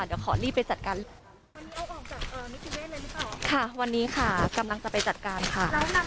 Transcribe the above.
เดี๋ยวขอรีบไปจัดการค่ะวันนี้ค่ะกำลังจะไปจัดการค่ะ